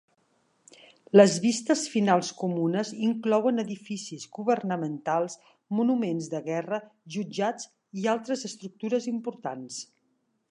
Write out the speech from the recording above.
Les vistes finals comunes inclouen edificis governamentals, monuments de guerra, jutjats i altres estructures importants.